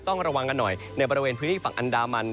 ต้องระวังกันหน่อยในบริเวณพื้นที่ฝั่งอันดามัน